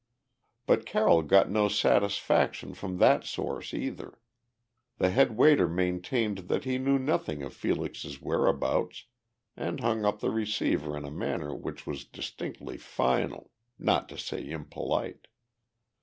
But Carroll got no satisfaction from that source, either. The head waiter maintained that he knew nothing of Felix's whereabouts and hung up the receiver in a manner which was distinctly final, not to say impolite.